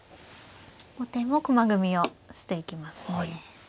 後手も駒組みをしていきますね。